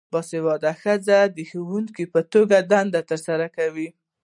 باسواده ښځې د ښوونکو په توګه دنده ترسره کوي.